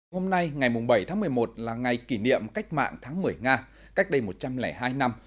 hôm nay ngày bảy tháng một mươi một là ngày kỷ niệm cách mạng tháng một mươi nga cách đây một trăm linh hai năm